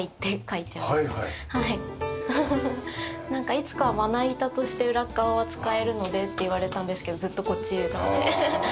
いつかはまな板として裏側は使えるのでって言われたんですけどずっとこっち側で。